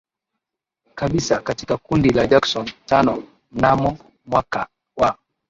Kabisa katika kundi la Jackson Tano mnamo mwaka wa